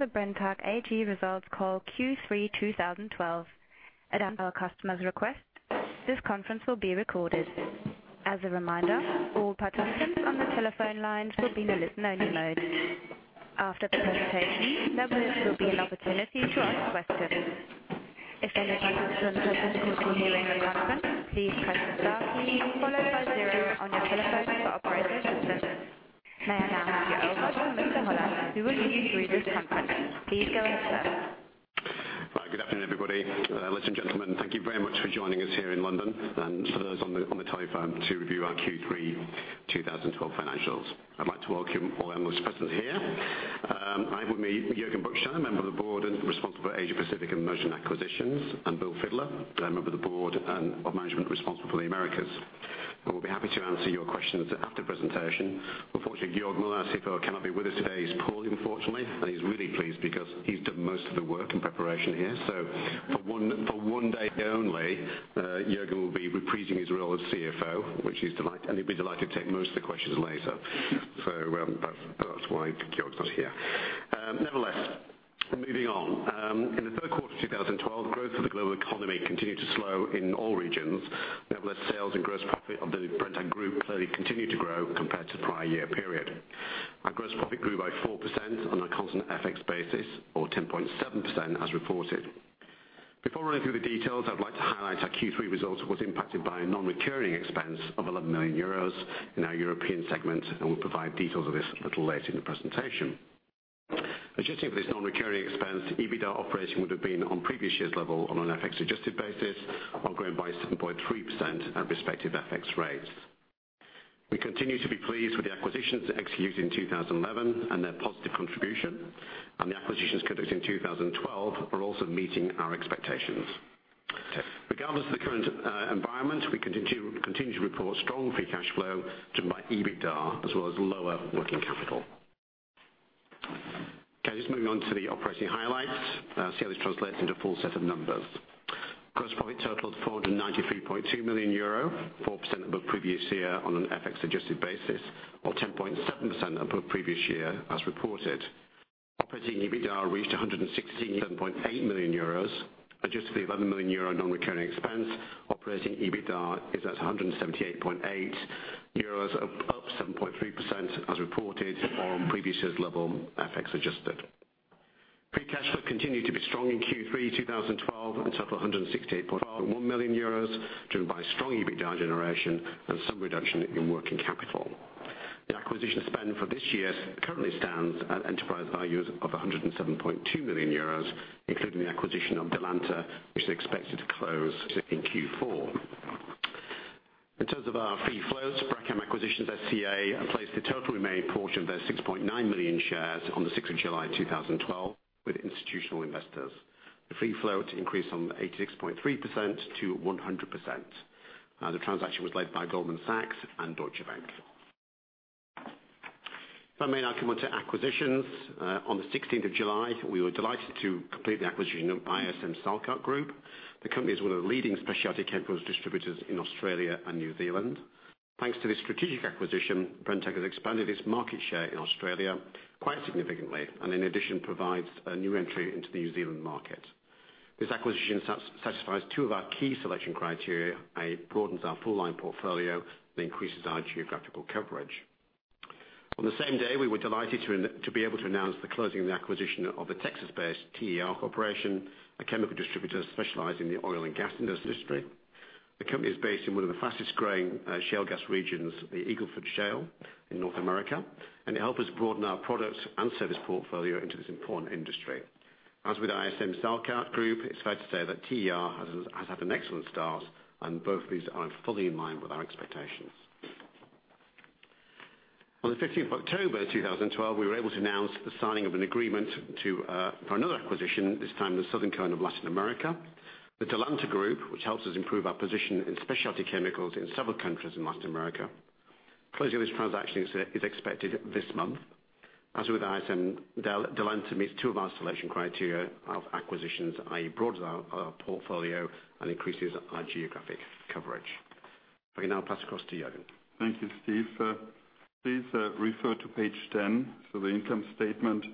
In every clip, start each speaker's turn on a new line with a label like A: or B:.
A: Welcome to the Brenntag AG results call Q3 2012. At our customer's request, this conference will be recorded. As a reminder, all participants on the telephone lines will be in a listen-only mode. After the presentation, there will be an opportunity to ask questions. If any participants have difficulty hearing the conference, please press star followed by zero on your telephone for operator assistance. Down to our host, Mr. Muller, who will see you through this conference. Please go ahead, sir.
B: Good afternoon, everybody. Ladies and gentlemen, thank you very much for joining us here in London, and for those on the telephone to review our Q3 2012 financials. I'd like to welcome all our members present here. I'm with Jürgen Buchsteiner, member of the board and responsible for Asia Pacific and merger and acquisitions, and Bill Fidler, member of the board and of management responsible for the Americas. We'll be happy to answer your questions after the presentation. Unfortunately, Georg Müller, our CFO, cannot be with us today. He's poorly, unfortunately. He's really pleased because he's done most of the work in preparation here. For one day only, Jürgen will be reprising his role as CFO, which he's delighted, and he'll be delighted to take most of the questions later. That's why Georg's not here. Nevertheless, moving on. In the third quarter of 2012, growth of the global economy continued to slow in all regions. Nevertheless, sales and gross profit of the Brenntag Group clearly continued to grow compared to the prior year period. Our gross profit grew by 4% on a constant FX basis, or 10.7% as reported. Before running through the details, I would like to highlight our Q3 results was impacted by a non-recurring expense of 11 million euros in our European segment. We'll provide details of this a little later in the presentation. Adjusting for this non-recurring expense, EBITDA operating would have been on previous year's level on an FX adjusted basis, while growing by 7.3% at respective FX rates. We continue to be pleased with the acquisitions executed in 2011 and their positive contribution, and the acquisitions conducted in 2012 are also meeting our expectations. Regardless of the current environment, we continue to report strong free cash flow driven by EBITDA as well as lower working capital. Just moving on to the operating highlights. See how this translates into full set of numbers. Gross profit totaled 493.2 million euro, 4% above previous year on an FX adjusted basis, or 10.7% above previous year as reported. Operating EBITDA reached 167.8 million euros, adjusted for 11 million euro non-recurring expense. Operating EBITDA is at 178.8 euros, up 7.3% as reported or on previous year's level FX adjusted. Free cash flow continued to be strong in Q3 2012 and totaled 168.1 million euros, driven by strong EBITDA generation and some reduction in working capital. The acquisition spend for this year currently stands at enterprise values of 107.2 million euros, including the acquisition of Delanta, which is expected to close in Q4. In terms of our free floats, Brachem Acquisitions S.C.A. placed the total remaining portion of their 6.9 million shares on the 6th of July 2012 with institutional investors. The free float increased from 86.3% to 100%. The transaction was led by Goldman Sachs and Deutsche Bank. If I may now come on to acquisitions. On the 16th of July, we were delighted to complete the acquisition of ISM/Salkat Group. The company is one of the leading specialty chemicals distributors in Australia and New Zealand. Thanks to this strategic acquisition, Brenntag has expanded its market share in Australia quite significantly and, in addition, provides a new entry into the New Zealand market. This acquisition satisfies two of our key selection criteria. It broadens our full line portfolio and increases our geographical coverage. On the same day, we were delighted to be able to announce the closing of the acquisition of the Texas-based TER Corporation, a chemical distributor specialized in the oil and gas industry. The company is based in one of the fastest-growing shale gas regions, the Eagle Ford Shale in North America. It help us broaden our products and service portfolio into this important industry. As with ISM/Salkat Group, it's fair to say that TER has had an excellent start and both of these are fully in line with our expectations. On the 15th of October 2012, we were able to announce the signing of an agreement for another acquisition, this time in the southern cone of Latin America. The Delanta Group, which helps us improve our position in specialty chemicals in several countries in Latin America. Closing of this transaction is expected this month. As with ISM, Delanta meets two of our selection criteria of acquisitions, i.e. broadens our portfolio and increases our geographic coverage. I can now pass across to Jürgen.
C: Thank you, Steve. Please refer to page 10 for the income statement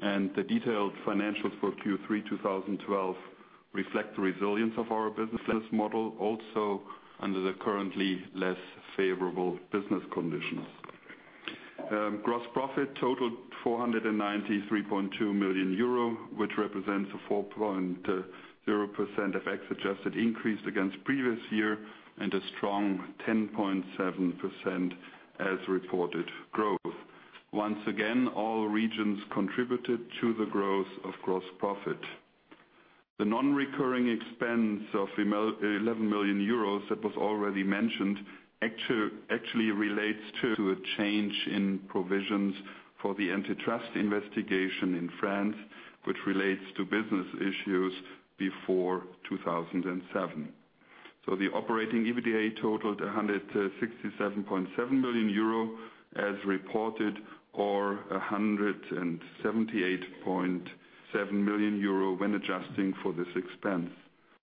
C: and the detailed financials for Q3 2012 reflect the resilience of our business model, also under the currently less favorable business conditions. Gross profit totaled 493.2 million euro, which represents a 4.0% FX-adjusted increase against previous year and a strong 10.7% as-reported growth. Once again, all regions contributed to the growth of gross profit. The non-recurring expense of 11 million euros that was already mentioned actually relates to a change in provisions for the antitrust investigation in France, which relates to business issues before 2007. The operating EBITDA totaled 167.7 million euro as reported or 178.87 million euro when adjusting for this expense.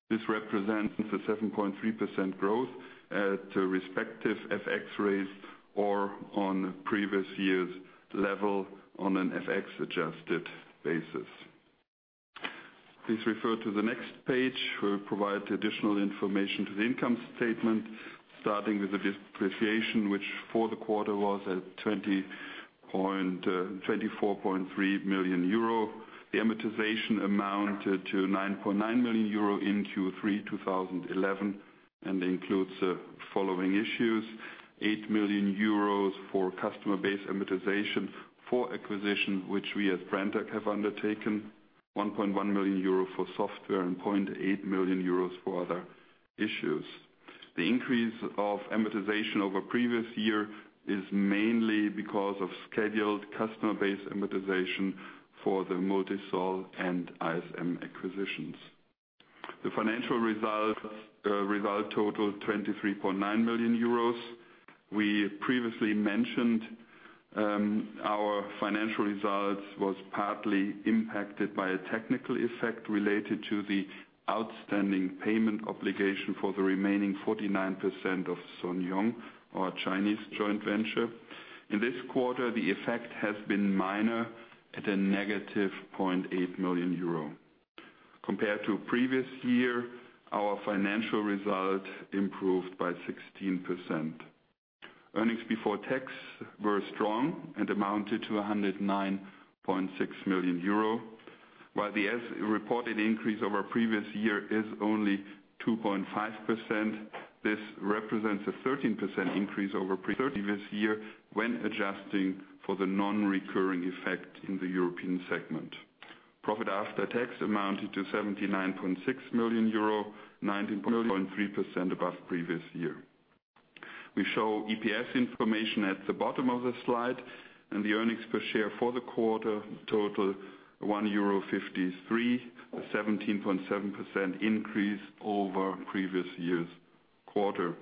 C: This represents a 7.3% growth at respective FX rates or on previous year's level on an FX-adjusted basis. Please refer to the next page, where we provide additional information to the income statement, starting with the depreciation, which for the quarter was at 24.3 million euro. The amortization amounted to 9.9 million euro in Q3 2011 and includes the following issues: 8 million euros for customer base amortization for acquisition, which we at Brenntag have undertaken, 1.1 million euro for software and 0.8 million euros for other issues. The increase of amortization over the previous year is mainly because of scheduled customer-based amortization for the Multisol and ISM acquisitions. The financial result totaled 23.9 million euros. We previously mentioned our financial results was partly impacted by a technical effect related to the outstanding payment obligation for the remaining 49% of SanYoung, our Chinese joint venture. In this quarter, the effect has been minor at a negative 0.8 million euro. Compared to previous year, our financial result improved by 16%. Earnings before tax were strong and amounted to 109.6 million euro, while the as-reported increase over previous year is only 2.5%. This represents a 13% increase over previous year when adjusting for the non-recurring effect in the European segment. Profit after tax amounted to 79.6 million euro, 19.3% above previous year. We show EPS information at the bottom of the slide, and the earnings per share for the quarter total 1.53 euro, a 17.7% increase over previous year's quarter.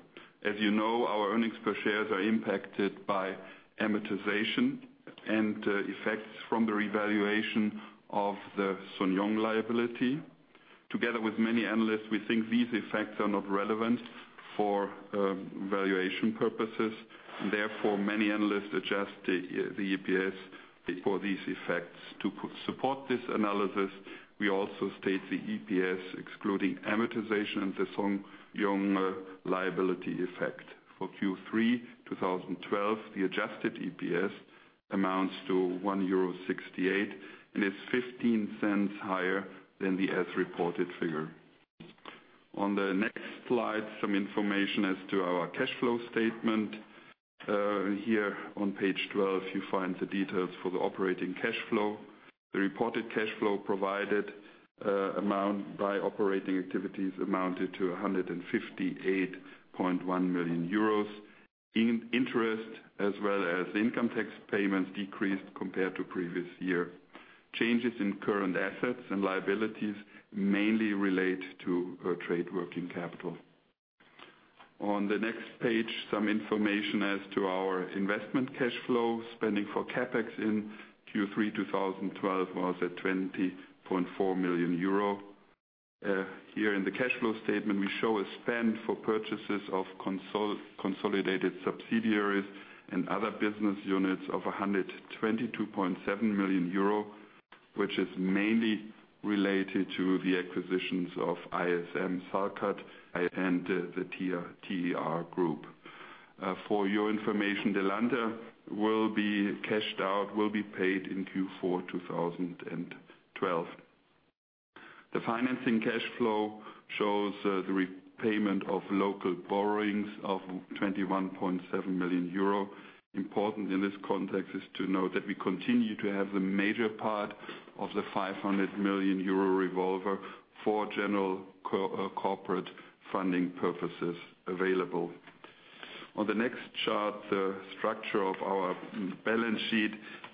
C: As you know, our earnings per shares are impacted by amortization and effects from the revaluation of the SanYoung liability. Together with many analysts, we think these effects are not relevant for valuation purposes. Therefore, many analysts adjust the EPS for these effects. To support this analysis, we also state the EPS, excluding amortization and the SanYoung liability effect. For Q3 2012, the adjusted EPS amounts to 1.68 euro and is 0.15 higher than the as-reported figure. On the next slide, some information as to our cash flow statement. Here on page 12, you find the details for the operating cash flow. The reported cash flow provided by operating activities amounted to 158.1 million euros. Interest as well as income tax payments decreased compared to previous year. Changes in current assets and liabilities mainly relate to trade working capital. On the next page, some information as to our investment cash flow. Spending for CapEx in Q3 2012 was at 20.4 million euro. Here in the cash flow statement, we show a spend for purchases of consolidated subsidiaries and other business units of 122.7 million euro, which is mainly related to the acquisitions of ISM, Salkat, and the TER Group. For your information, Delanta will be cashed out, will be paid in Q4 2012. The financing cash flow shows the repayment of local borrowings of 21.7 million euro. Important in this context is to note that we continue to have the major part of the 500 million euro revolver for general corporate funding purposes available. On the next chart, the structure of our balance sheet.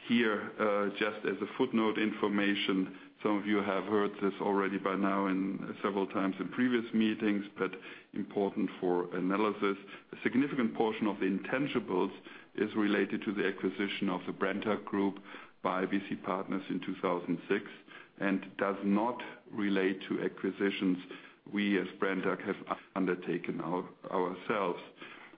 C: Here, just as a footnote information, some of you have heard this already by now and several times in previous meetings, but important for analysis. A significant portion of the intangibles is related to the acquisition of the Brenntag Group by BC Partners in 2006 and does not relate to acquisitions we as Brenntag have undertaken ourselves.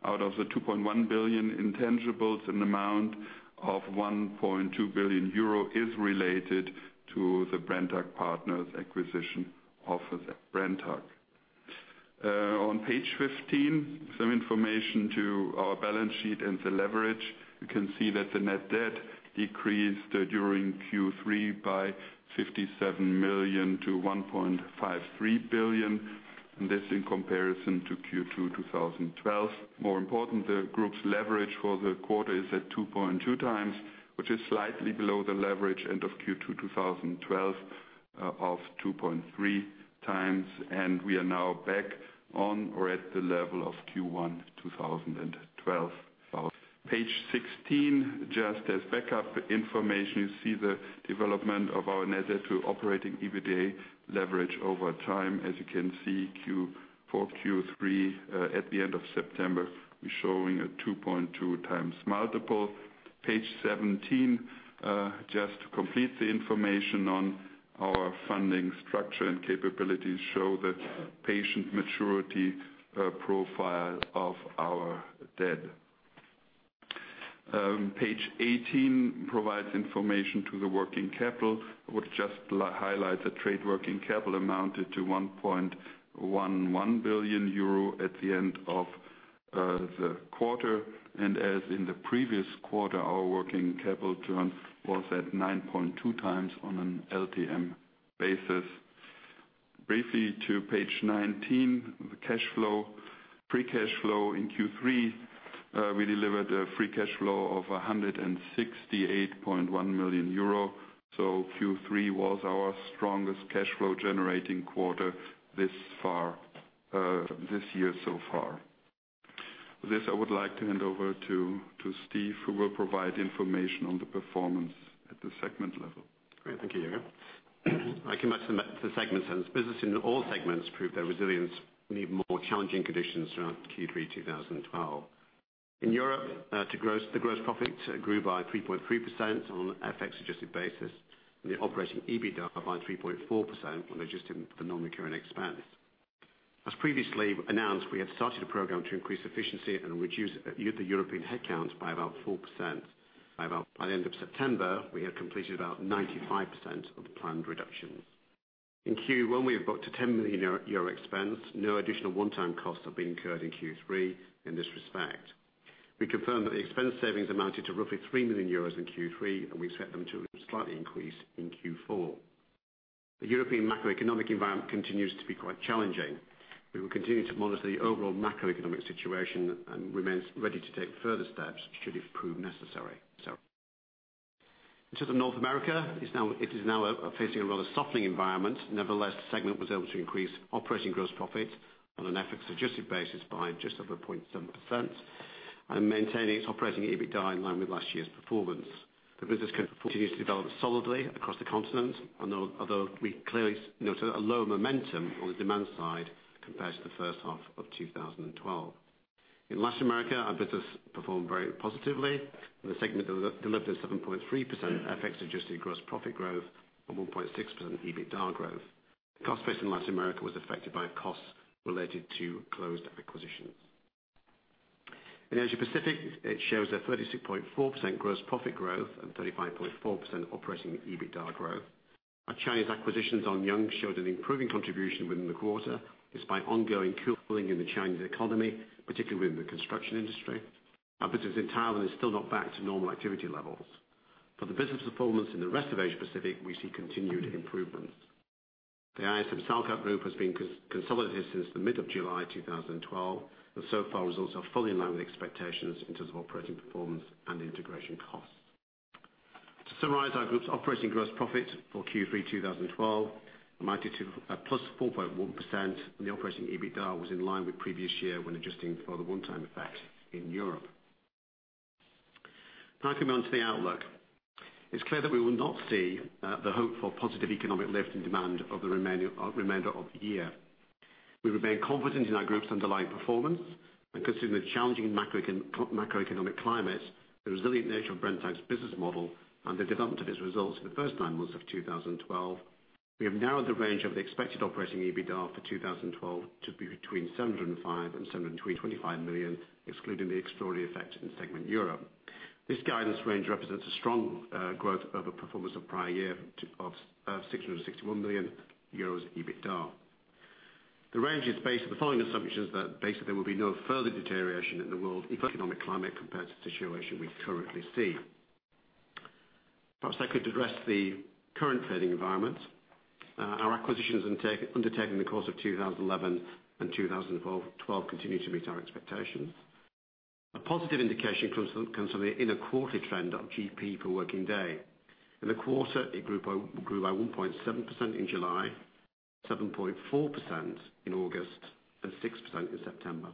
C: Out of the 2.1 billion intangibles, an amount of 1.2 billion euro is related to the BC Partners' acquisition of Brenntag. On page 15, some information to our balance sheet and the leverage. You can see that the net debt decreased during Q3 by 57 million to 1.53 billion. This in comparison to Q2 2012. More important, the Group's leverage for the quarter is at 2.2 times, which is slightly below the leverage end of Q2 2012 of 2.3 times. We are now back on or at the level of Q1 2012. Page 16, just as backup information, you see the development of our net debt to operating EBITDA leverage over time. As you can see, Q4, Q3, at the end of September, we're showing a 2.2 times multiple. Page 17, just to complete the information on our funding structure and capabilities, show the payment maturity profile of our debt. Page 18 provides information to the working capital. I would just highlight the trade working capital amounted to 1.11 billion euro at the end of the quarter. As in the previous quarter, our working capital turn was at 9.2 times on an LTM basis. Briefly to page 19, the cash flow. Free cash flow in Q3, we delivered a free cash flow of 168.1 million euro, Q3 was our strongest cash flow generating quarter this year so far. With this, I would like to hand over to Steve, who will provide information on the performance at the segment level.
B: Great. Thank you, Jürgen. I can match the segment since business in all segments proved their resilience in even more challenging conditions throughout Q3 2012. In Europe, the gross profit grew by 3.3% on FX-adjusted basis, the operating EBITA up by 3.4% when adjusting for the non-recurring expense. As previously announced, we had started a program to increase efficiency and reduce the European headcount by about 4%. By the end of September, we had completed about 95% of the planned reductions. In Q1, we have booked a 10 million euro expense. No additional one-time costs have been incurred in Q3 in this respect. We confirm that the expense savings amounted to roughly 3 million euros in Q3, we expect them to slightly increase in Q4. The European macroeconomic environment continues to be quite challenging. We will continue to monitor the overall macroeconomic situation and remains ready to take further steps should it prove necessary. In terms of North America, it is now facing a rather softening environment. Nevertheless, the segment was able to increase operating gross profit on an FX-adjusted basis by just over 0.7% and maintaining its operating EBITA in line with last year's performance. The business continues to develop solidly across the continent, although we clearly note a lower momentum on the demand side compared to the first half of 2012. In Latin America, our business performed very positively, the segment delivered 7.3% FX-adjusted gross profit growth and 1.6% EBITA growth. The cost base in Latin America was affected by costs related to closed acquisitions. In Asia Pacific, it shows a 36.4% gross profit growth and 35.4% operating EBITA growth. Our Chinese acquisitions Zhong Yung showed an improving contribution within the quarter, despite ongoing cooling in the Chinese economy, particularly within the construction industry. Our business in Thailand is still not back to normal activity levels. For the business performance in the rest of Asia Pacific, we see continued improvements. The ISM/Salkat Group has been consolidated since the mid of July 2012, and so far results are fully in line with expectations in terms of operating performance and integration costs. To summarize our group's operating gross profit for Q3 2012, amounted to a +4.1%, and the operating EBITA was in line with previous year when adjusting for the one-time effect in Europe. Coming on to the outlook. It's clear that we will not see the hopeful positive economic lift in demand of the remainder of the year. We remain confident in our group's underlying performance and considering the challenging macroeconomic climate, the resilient nature of Brenntag's business model and the development of its results for the first nine months of 2012. We have narrowed the range of the expected operating EBITA for 2012 to be between 705 million and 725 million, excluding the extraordinary effect in segment Europe. This guidance range represents a strong growth over performance of prior year of 661 million euros EBITA. The range is based on the following assumptions that basically there will be no further deterioration in the world economic climate compared to the situation we currently see. Perhaps I could address the current trading environment. Our acquisitions undertaken in the course of 2011 and 2012 continue to meet our expectations. A positive indication comes from the inner quarterly trend of GP per working day. In the quarter, it grew by 1.7% in July, 7.4% in August, and 6% in September.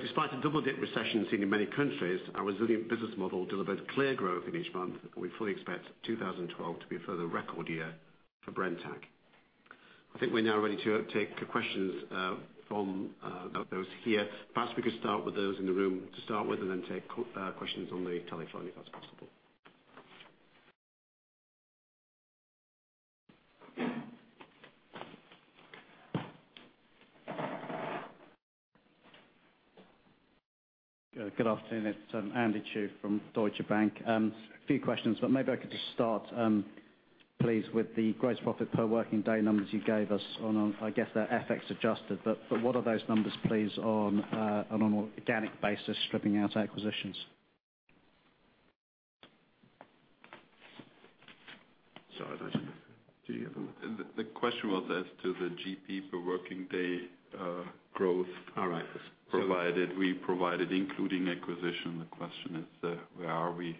B: Despite a double-dip recession seen in many countries, our resilient business model delivered clear growth in each month. We fully expect 2012 to be a further record year for Brenntag. I think we're now ready to take questions from those here. Perhaps we could start with those in the room to start with and then take questions on the telephone, if that's possible.
D: Good afternoon. It's Andy Chu from Deutsche Bank. A few questions, but maybe I could just start, please, with the gross profit per working day numbers you gave us on, I guess, they're FX adjusted, but what are those numbers, please, on an organic basis, stripping out acquisitions?
C: Sorry, did you have.
B: The question was as to the GP per working day growth.
D: All right.
B: We provided including acquisition. The question is where are we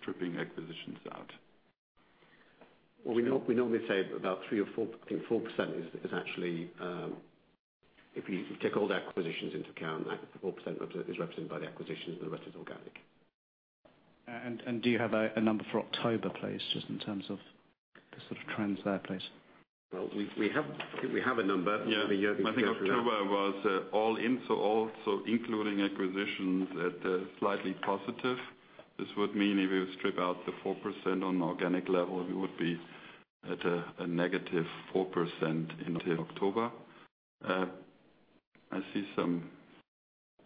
B: stripping acquisitions out? Well, we normally say about three or four. I think 4% is actually, if you take all the acquisitions into account, 4% is represented by the acquisitions, and the rest is organic.
D: Do you have a number for October, please, just in terms of the sort of trends there, please?
B: Well, we have a number.
C: Yeah.
B: Let me calculate it out.
C: I think October was all in, so including acquisitions at slightly positive. This would mean if we strip out the 4% on an organic level, we would be at a negative 4% into October. I see some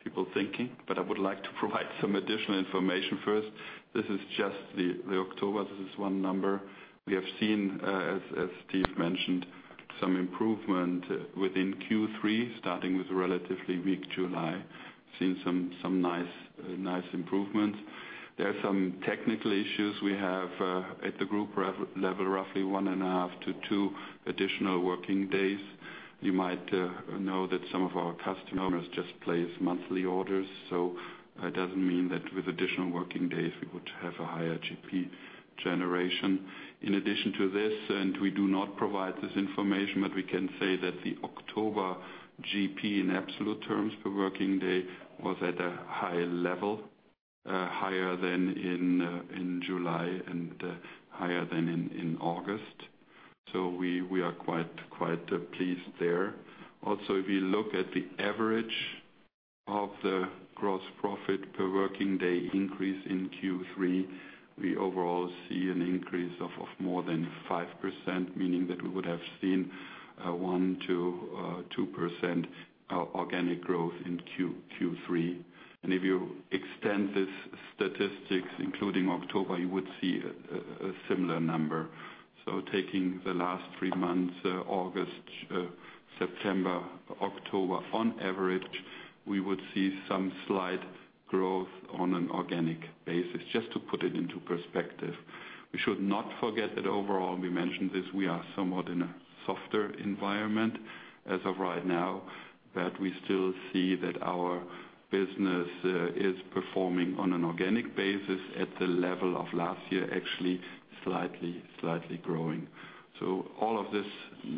C: people thinking, but I would like to provide some additional information first. This is just the October. This is one number. We have seen, as Steve mentioned, some improvement within Q3, starting with relatively weak July, seeing some nice improvements. There are some technical issues we have at the group level, roughly one and a half to two additional working days. You might know that some of our customers just place monthly orders, so it doesn't mean that with additional working days, we would have a higher GP generation. In addition to this, we do not provide this information, but we can say that the October GP in absolute terms per working day was at a high level, higher than in July and higher than in August. We are quite pleased there. If you look at the average of the gross profit per working day increase in Q3, we overall see an increase of more than 5%, meaning that we would have seen a 1%-2% organic growth in Q3. If you extend these statistics including October, you would see a similar number. Taking the last three months, August, September, October, on average, we would see some slight growth on an organic basis, just to put it into perspective. We should not forget that overall, we mentioned this, we are somewhat in a softer environment as of right now, but we still see that our business is performing on an organic basis at the level of last year, actually slightly growing. All of this,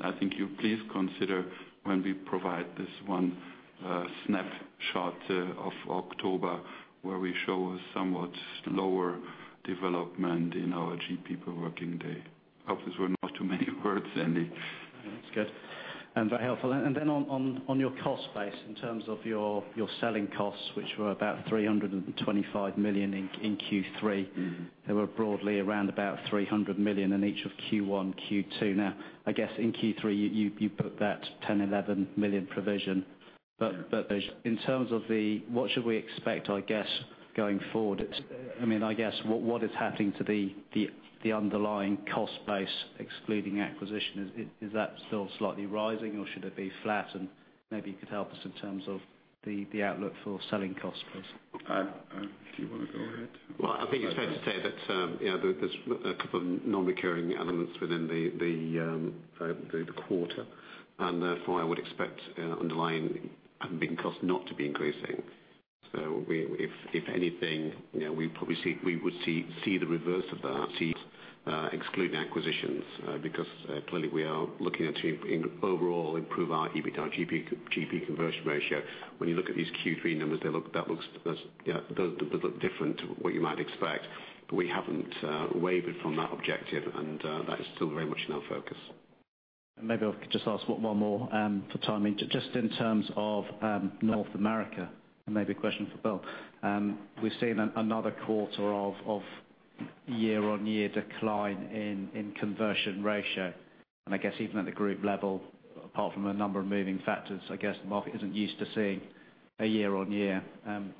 C: I think you please consider when we provide this one snapshot of October, where we show a somewhat slower development in our GP per working day. I hope those were not too many words, Andy.
D: That's good and very helpful. On your cost base, in terms of your selling costs, which were about 325 million in Q3. They were broadly around about 300 million in each of Q1, Q2. I guess in Q3, you put that 10 million, 11 million provision. In terms of what should we expect, I guess, going forward? What is happening to the underlying cost base excluding acquisition? Is that still slightly rising or should it be flat? Maybe you could help us in terms of the outlook for selling costs, please.
C: Do you want to go ahead?
B: I think it's fair to say that there's a couple of non-recurring elements within the quarter. Therefore, I would expect underlying operating costs not to be increasing. If anything, we would see the reverse of that, excluding acquisitions, because clearly we are looking at overall improve our EBIT, our GP conversion ratio. When you look at these Q3 numbers, they look different to what you might expect. We haven't wavered from that objective, and that is still very much in our focus.
D: Maybe I could just ask one more for timing. Just in terms of North America, and maybe a question for Bill. We've seen another quarter of year-over-year decline in conversion ratio. I guess even at the group level, apart from a number of moving factors, I guess the market isn't used to seeing a year-over-year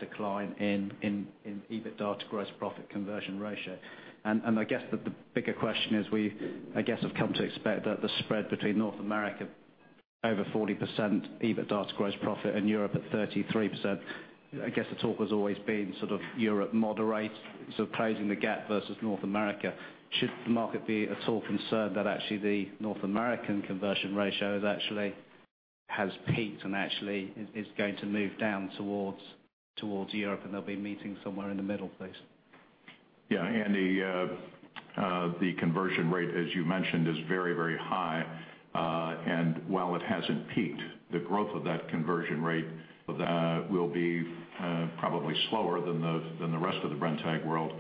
D: decline in EBITDA to gross profit conversion ratio. I guess that the bigger question is we, I guess, have come to expect that the spread between North America over 40% EBITDA to gross profit and Europe at 33%. I guess the talk has always been sort of Europe moderate, so closing the gap versus North America. Should the market be at all concerned that actually the North American conversion ratio actually has peaked and actually is going to move down towards Europe and they'll be meeting somewhere in the middle, please?
E: Andy, the conversion rate, as you mentioned, is very high. While it hasn't peaked, the growth of that conversion rate will be probably slower than the rest of the Brenntag world.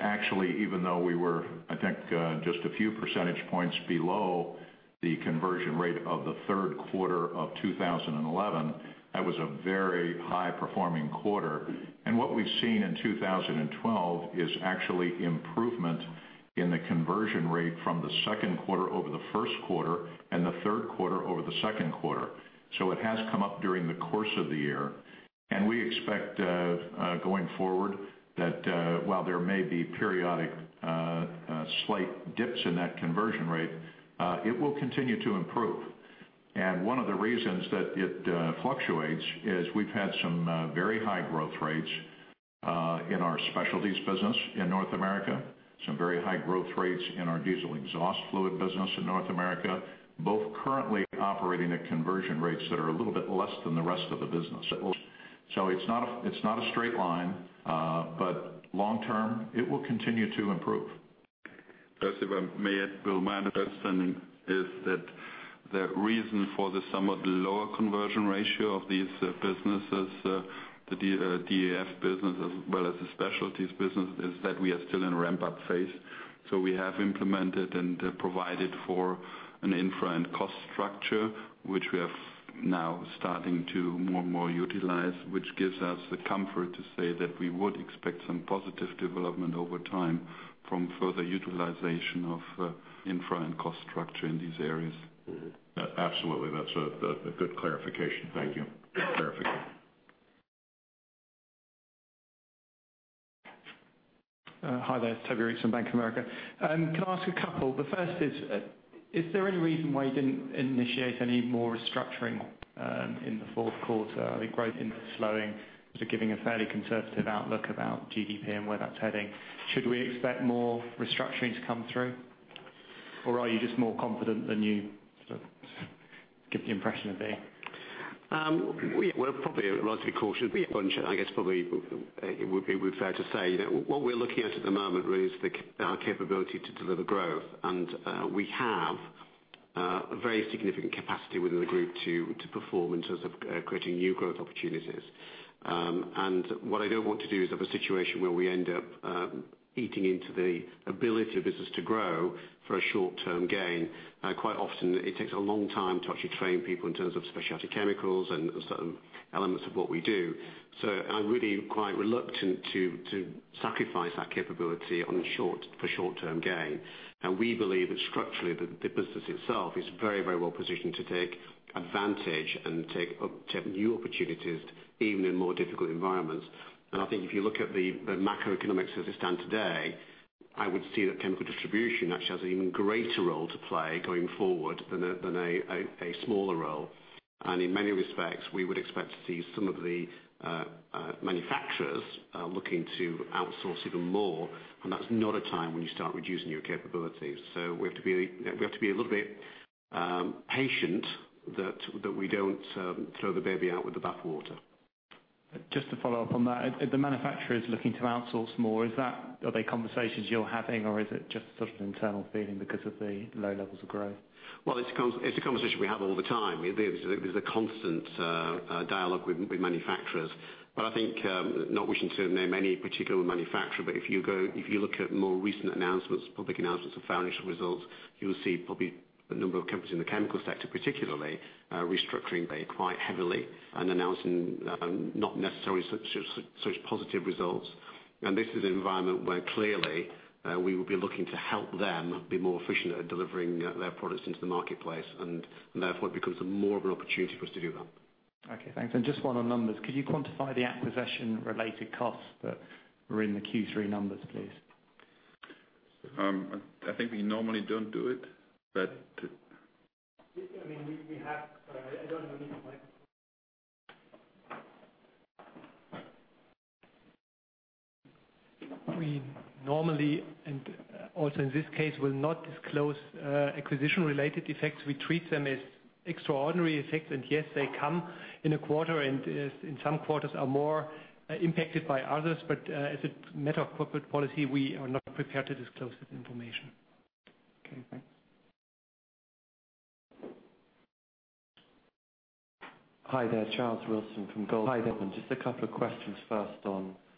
E: Actually, even though we were, I think, just a few percentage points below the conversion rate of the third quarter of 2011, that was a very high-performing quarter. What we've seen in 2012 is actually improvement in the conversion rate from the second quarter over the first quarter and the third quarter over the second quarter. It has come up during the course of the year. We expect, going forward, that while there may be periodic slight dips in that conversion rate, it will continue to improve. One of the reasons that it fluctuates is we've had some very high growth rates in our specialties business in North America, some very high growth rates in our diesel exhaust fluid business in North America, both currently operating at conversion rates that are a little bit less than the rest of the business. It's not a straight line. Long term, it will continue to improve.
C: Plus, if I may add, Bill, my understanding is that the reason for the somewhat lower conversion ratio of these businesses, the DEF business as well as the specialties business, is that we are still in ramp-up phase. We have implemented and provided for an infra and cost structure, which we are now starting to more and more utilize, which gives us the comfort to say that we would expect some positive development over time from further utilization of infra and cost structure in these areas.
E: Absolutely. That's a good clarification. Thank you.
C: Good clarification.
F: Hi there, Toby Pearson, Bank of America. Can I ask a couple? The first is there any reason why you didn't initiate any more restructuring in the fourth quarter? I think growth interest slowing, giving a fairly conservative outlook about GDP and where that's heading. Should we expect more restructuring to come through? Are you just more confident than you give the impression of being?
B: We're probably relatively cautious. I guess probably it would be fair to say that what we're looking at at the moment really is our capability to deliver growth. We have a very significant capacity within the group to perform in terms of creating new growth opportunities. What I don't want to do is have a situation where we end up eating into the ability of business to grow for a short-term gain. Quite often, it takes a long time to actually train people in terms of specialty chemicals and certain elements of what we do. I'm really quite reluctant to sacrifice that capability for short-term gain. We believe that structurally, the business itself is very well positioned to take advantage and take new opportunities, even in more difficult environments. I think if you look at the macroeconomics as it stands today, I would see that chemical distribution actually has an even greater role to play going forward than a smaller role. In many respects, we would expect to see some of the manufacturers looking to outsource even more. That's not a time when you start reducing your capabilities. We have to be a little bit patient that we don't throw the baby out with the bath water.
F: Just to follow up on that. If the manufacturer is looking to outsource more, are they conversations you're having or is it just sort of an internal feeling because of the low levels of growth?
B: Well, it's a conversation we have all the time. There's a constant dialogue with manufacturers. I think, not wishing to name any particular manufacturer, but if you look at more recent announcements, public announcements of financial results, you'll see probably a number of companies in the chemical sector, particularly, restructuring quite heavily and announcing not necessarily such positive results. This is an environment where clearly we would be looking to help them be more efficient at delivering their products into the marketplace, and therefore it becomes more of an opportunity for us to do that.
F: Okay, thanks. Just one on numbers. Could you quantify the acquisition-related costs that were in the Q3 numbers, please?
C: I think we normally don't do it. We normally, and also in this case, will not disclose acquisition-related effects. We treat them as extraordinary effects. Yes, they come in a quarter, and in some quarters are more impacted by others. As a matter of corporate policy, we are not prepared to disclose this information.
F: Okay, thanks.
G: Hi there, Charles Wilson from Goldman. Just a couple of questions first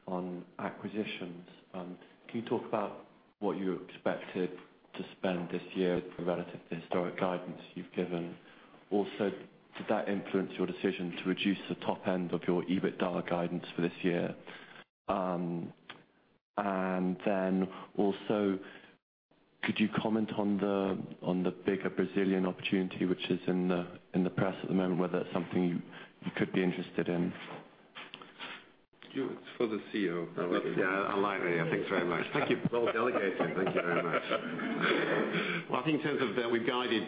G: on acquisitions. Can you talk about what you expected to spend this year relative to historic guidance you've given? Also, did that influence your decision to reduce the top end of your EBITDA guidance for this year? Also, could you comment on the bigger Brazilian opportunity, which is in the press at the moment, whether that's something you could be interested in?
C: It's for the CEO.
B: Thanks very much. Thank you for delegating. Thank you very much. I think in terms of that, we've generally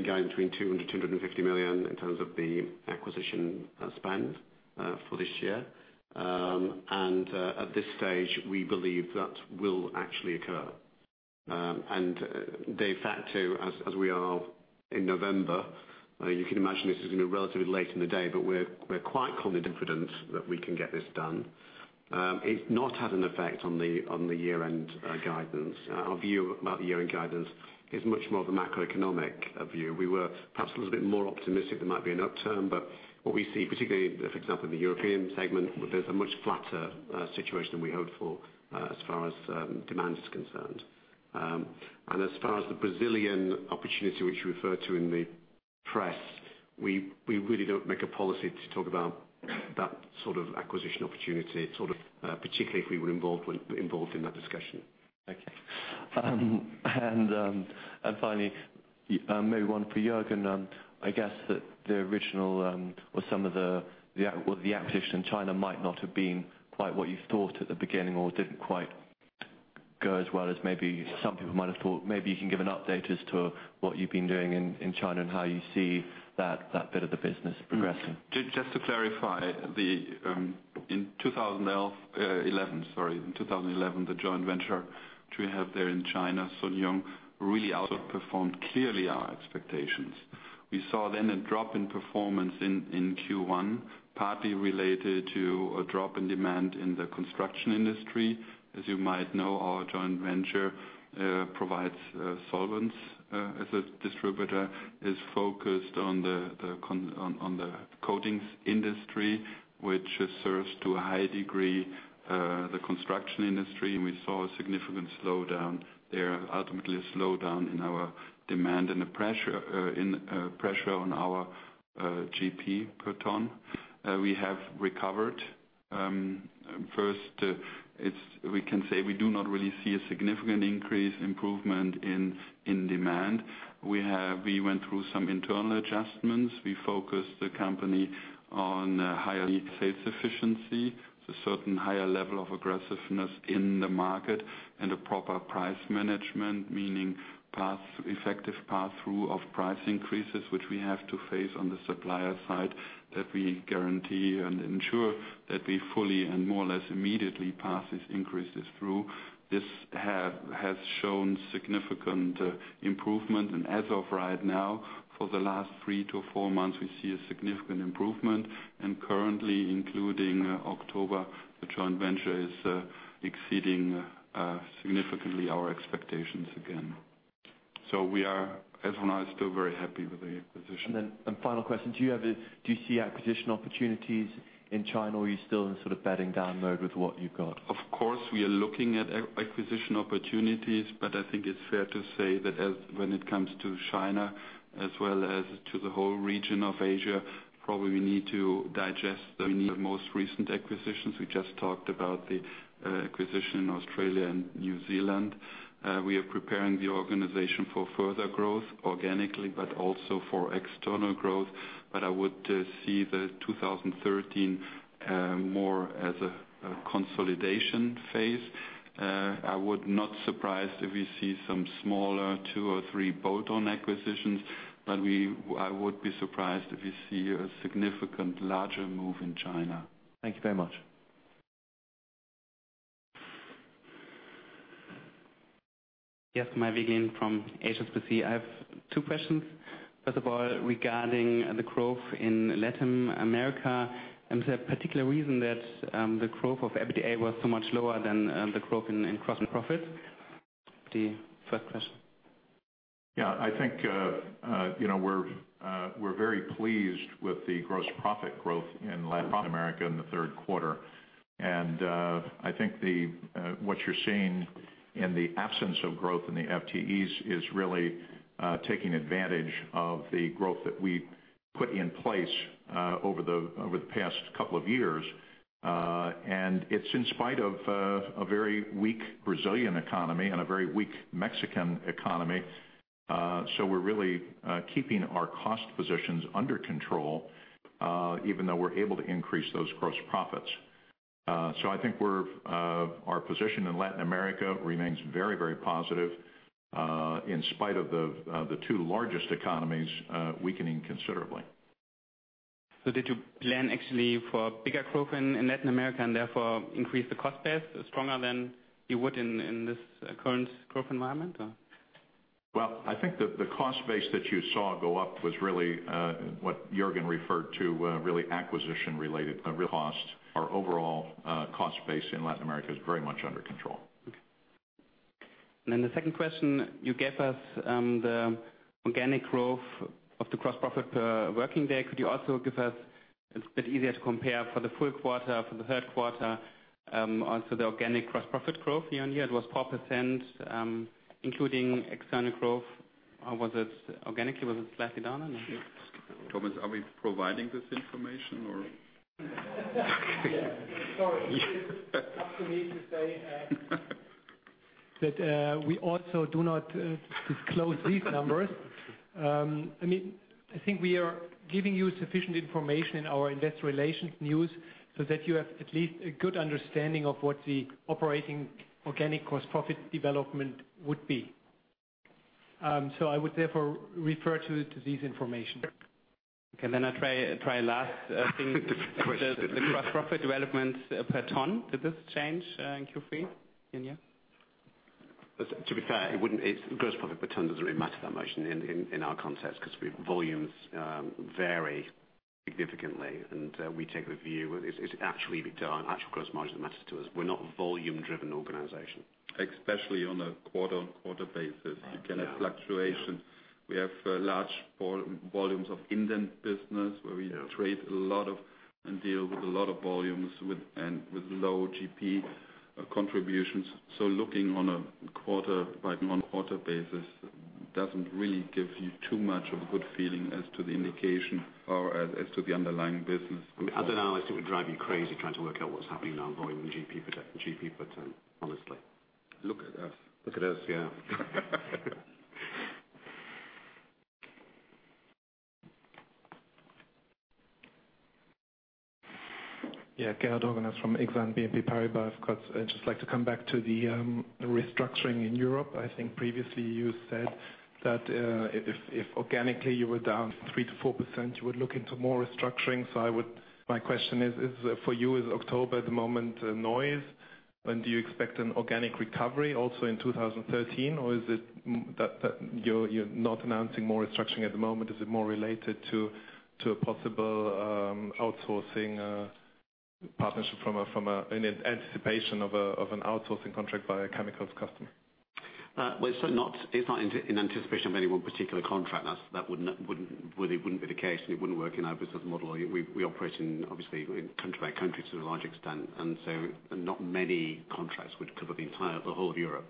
B: been guided between 200 million-250 million in terms of the acquisition spend for this year. At this stage, we believe that will actually occur. The fact too, as we are in November, you can imagine this is going to be relatively late in the day, but we're quite confident that we can get this done. It's not had an effect on the year-end guidance. Our view about the year-end guidance is much more of a macroeconomic view. We were perhaps a little bit more optimistic there might be an upturn, but what we see, particularly, for example, in the European segment, there's a much flatter situation than we hoped for as far as demand is concerned. As far as the Brazilian opportunity, which you refer to in the press, we really don't make a policy to talk about that sort of acquisition opportunity, particularly if we were involved in that discussion.
G: Okay. Finally, maybe one for Jürgen. I guess that the original or some of the acquisition in China might not have been quite what you thought at the beginning or didn't quite go as well as maybe some people might have thought. Maybe you can give an update as to what you've been doing in China and how you see that bit of the business progressing.
C: Just to clarify. In 2011, the joint venture which we have there in China, SanYoung, really outperformed clearly our expectations. We saw a drop in performance in Q1, partly related to a drop in demand in the construction industry. As you might know, our joint venture provides solvents as a distributor, is focused on the coatings industry, which serves to a high degree the construction industry, and we saw a significant slowdown there, ultimately a slowdown in our demand and pressure on our GP per ton. We have recovered. First, we can say we do not really see a significant increase improvement in demand. We went through some internal adjustments. We focused the company on higher sales efficiency, a certain higher level of aggressiveness in the market, and a proper price management, meaning effective pass-through of price increases, which we have to face on the supplier side, that we guarantee and ensure that we fully and more or less immediately pass these increases through. This has shown significant improvement. As of right now, for the last three to four months, we see a significant improvement, and currently, including October, the joint venture is exceeding significantly our expectations again. We are, as of now, still very happy with the acquisition.
G: Final question, do you see acquisition opportunities in China, or are you still in bedding down mode with what you've got?
C: Of course, we are looking at acquisition opportunities, but I think it's fair to say that when it comes to China as well as to the whole region of Asia, probably we need to digest the most recent acquisitions. We just talked about the acquisition in Australia and New Zealand. We are preparing the organization for further growth organically, but also for external growth. I would see 2013 more as a consolidation phase. I would not surprised if we see some smaller two or three bolt-on acquisitions, but I would be surprised if we see a significant larger move in China.
B: Thank you very much.
H: Yes, Ma Wie Geen from HSBC. I have two questions. First of all, regarding the growth in Latin America, is there a particular reason that the growth of EBITDA was so much lower than the growth in gross profit?
E: I think we're very pleased with the gross profit growth in Latin America in the third quarter. I think what you're seeing in the absence of growth in the FTEs is really taking advantage of the growth that we put in place over the past couple of years. It's in spite of a very weak Brazilian economy and a very weak Mexican economy. We're really keeping our cost positions under control even though we're able to increase those gross profits. I think our position in Latin America remains very positive in spite of the two largest economies weakening considerably.
H: Did you plan actually for bigger growth in Latin America and therefore increase the cost base stronger than you would in this current growth environment?
E: Well, I think the cost base that you saw go up was really what Jürgen referred to, really acquisition-related costs. Our overall cost base in Latin America is very much under control.
H: Okay. The second question, you gave us the organic growth of the gross profit per working day. Could you also give us, it's a bit easier to compare for the full quarter, for the third quarter, also the organic gross profit growth year-on-year? It was 4% including external growth. Organically, was it slightly down? No?
C: Thomas, are we providing this information?
B: Yeah. Sorry. It's up to me to say that we also do not disclose these numbers. I think we are giving you sufficient information in our investor relations news so that you have at least a good understanding of what the operating organic gross profit development would be. I would therefore refer to this information.
H: Okay. I try last thing.
C: Different question.
H: The gross profit developments per ton. Did this change in Q3 year-on-year?
B: To be fair, gross profit per ton doesn't really matter that much in our context because volumes vary significantly, and we take the view. It's actually return, actual gross margin matters to us. We're not a volume-driven organization.
C: Especially on a quarter-on-quarter basis. You can have fluctuations. We have large volumes of indent business where we trade a lot of and deal with a lot of volumes and with low GP contributions. Looking on a quarter by non-quarter basis doesn't really give you too much of a good feeling as to the indication or as to the underlying business.
B: As an analyst, it would drive you crazy trying to work out what's happening now in volume GP per ton, honestly.
C: Look at us.
B: Look at us, yeah.
I: Gerhard Roggens from Exane BNP Paribas. I'd just like to come back to the restructuring in Europe. I think previously you said that if organically you were down 3%-4%, you would look into more restructuring. My question is, for you, is October at the moment a noise? When do you expect an organic recovery, also in 2013? Is it that you're not announcing more restructuring at the moment? Is it more related to a possible outsourcing partnership in anticipation of an outsourcing contract by a chemicals customer.
B: It's not in anticipation of any one particular contract. That wouldn't be the case, it wouldn't work in our business model. We operate obviously country by country to a large extent, not many contracts would cover the whole of Europe.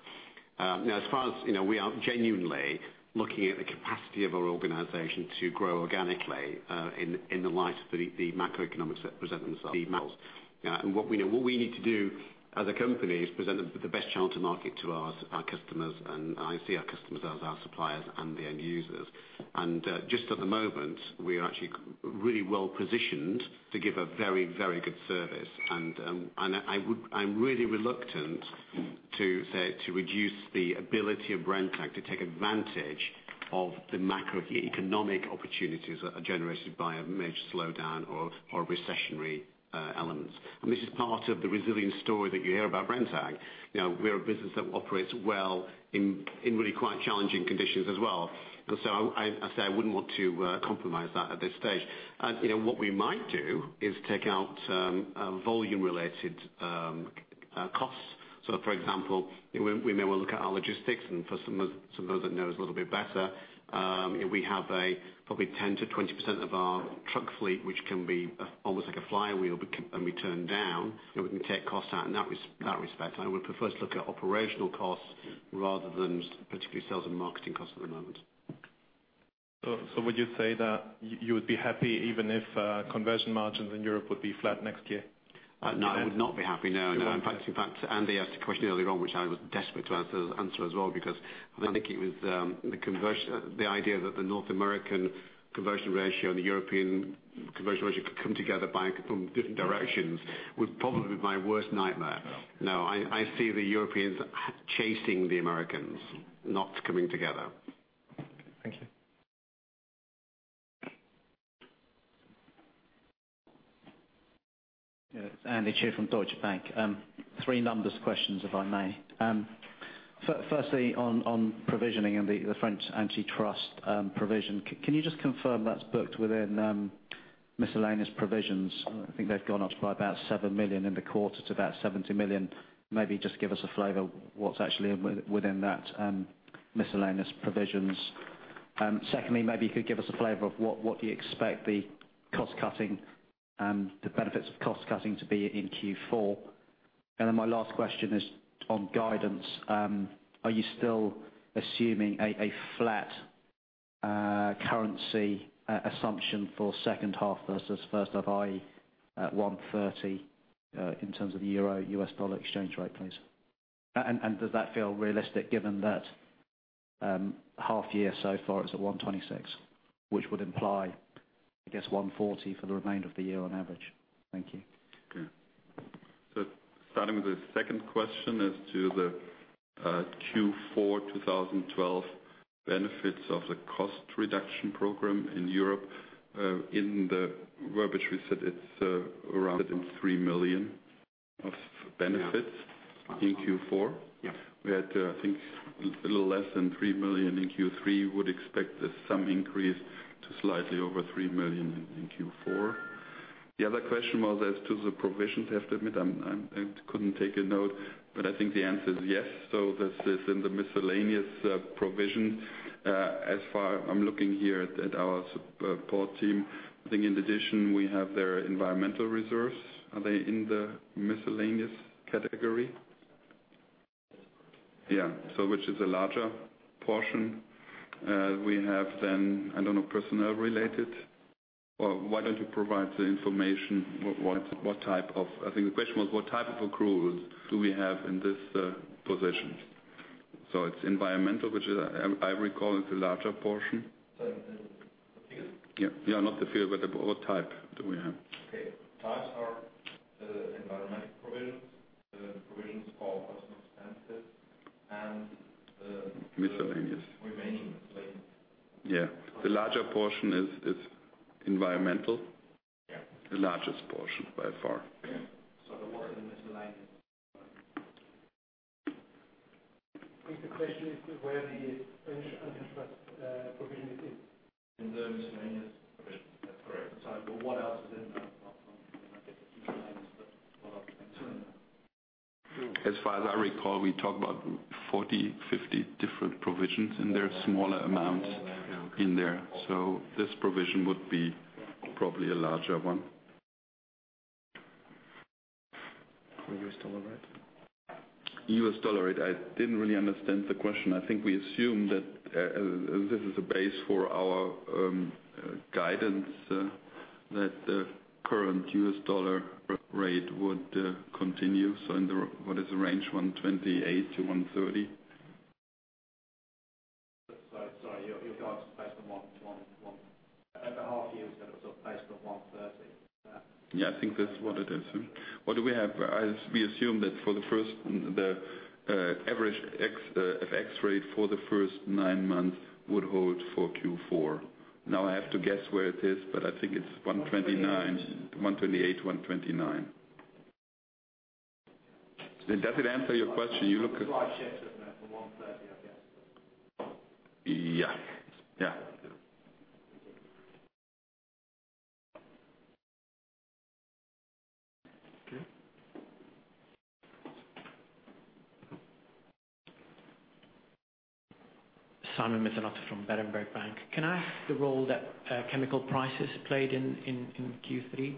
B: As far as we are genuinely looking at the capacity of our organization to grow organically in the light of the macroeconomics that present themselves. What we need to do as a company is present the best channel to market to our customers, I see our customers as our suppliers and the end users. Just at the moment, we are actually really well-positioned to give a very good service. I'm really reluctant to say to reduce the ability of Brenntag to take advantage of the macroeconomic opportunities that are generated by a major slowdown or recessionary elements. This is part of the resilient story that you hear about Brenntag. We're a business that operates well in really quite challenging conditions as well. I say I wouldn't want to compromise that at this stage. What we might do is take out volume-related costs. For example, we may well look at our logistics, and for some of us that know us a little bit better, we have probably 10%-20% of our truck fleet, which can be almost like a flywheel and be turned down, and we can take costs out in that respect. I would prefer to look at operational costs rather than particularly sales and marketing costs at the moment.
I: Would you say that you would be happy even if conversion margins in Europe would be flat next year?
B: No, I would not be happy. No. In fact, Andy asked a question earlier on, which I was desperate to answer as well, because I think it was the idea that the North American conversion ratio and the European conversion ratio could come together from different directions was probably my worst nightmare. No, I see the Europeans chasing the Americans, not coming together.
I: Thank you.
D: Yes. Andy Chu from Deutsche Bank. Three numbers questions, if I may. Firstly, on provisioning and the French antitrust provision, can you just confirm that's booked within miscellaneous provisions? I think they've gone up by about 7 million in the quarter to about 70 million. Maybe just give us a flavor of what's actually within that miscellaneous provisions. Secondly, maybe you could give us a flavor of what you expect the benefits of cost-cutting to be in Q4. My last question is on guidance. Are you still assuming a flat currency assumption for second half versus first half, i.e., at 130 in terms of the euro-U.S. dollar exchange rate, please? Does that feel realistic given that half year so far is at 126, which would imply, I guess, 140 for the remainder of the year on average? Thank you.
C: Okay. Starting with the second question as to the Q4 2012 benefits of the cost reduction program in Europe, in the verbiage we said it's around 3 million of benefits in Q4.
D: Yes.
C: We had, I think a little less than 3 million in Q3, would expect some increase to slightly over 3 million in Q4. The other question was as to the provisions. I have to admit, I couldn't take a note, but I think the answer is yes. This is in the miscellaneous provision. As far I'm looking here at our support team. I think in addition, we have their environmental reserves. Are they in the miscellaneous category? Yeah. Which is a larger portion. We have, I don't know, personnel related, or why don't you provide the information? I think the question was what type of accruals do we have in this position? It's environmental, which I recall is the larger portion.
J: Sorry, in the field?
C: Yeah. Not the field, but what type do we have?
J: Okay. Types are the environmental provisions, the provisions for custom expenses.
C: Miscellaneous
J: remaining miscellaneous.
C: Yeah. The larger portion is environmental.
J: Yeah.
C: The largest portion by far.
J: Yeah. The one in miscellaneous.
C: I think the question is where the French antitrust provision is in.
J: In the miscellaneous provision. That's correct.
D: What else is in there apart from, I guess the key drivers, but what other things?
C: As far as I recall, we talked about 40, 50 different provisions, and there are smaller amounts in there. This provision would be probably a larger one.
D: U.S. dollar rate?
C: U.S. dollar rate. I didn't really understand the question. I think we assumed that this is a base for our guidance, that the current U.S. dollar rate would continue. In what is the range, 128 to 130.
D: Sorry, your guidance is based on what? At the half year, you said it was sort of based on 130. Is that?
C: Yeah, I think that's what it is. What do we have? We assume that the average FX rate for the first nine months would hold for Q4. Now I have to guess where it is, but I think it's 128, 129.
B: Does it answer your question? You look.
C: for 1:30, I guess.
B: Yeah.
C: Thank you.
B: Okay.
K: Simon Mizenoth from Berenberg Bank. Can I ask the role that chemical prices played in Q3?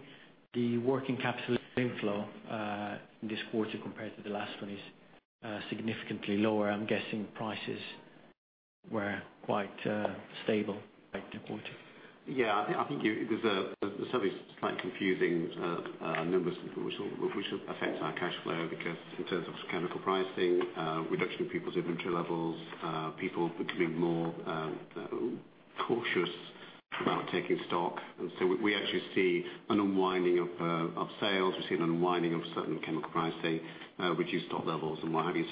K: The working capital inflow, this quarter compared to the last one, is significantly lower. I am guessing prices were quite stable.
B: Yeah, I think there's a slightly confusing numbers, which will affect our cash flow because in terms of chemical pricing, reduction in people's inventory levels, people becoming more cautious about taking stock. We actually see an unwinding of sales. We see an unwinding of certain chemical pricing, reduced stock levels and what have you.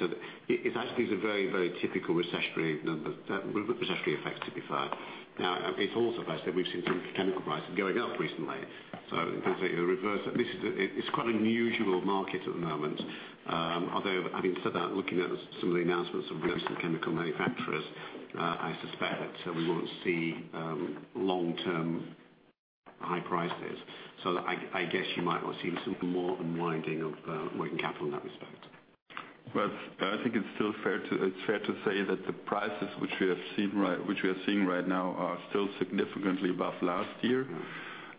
B: It actually is a very typical recessionary effect, to be fair. Now, it's also fair to say we've seen some chemical prices going up recently. In terms of the reverse, it's quite an unusual market at the moment. Although having said that, looking at some of the announcements of recent chemical manufacturers, I suspect we won't see long-term high prices. I guess you might well see some more unwinding of working capital in that respect.
C: Well, I think it's fair to say that the prices which we are seeing right now are still significantly above last year.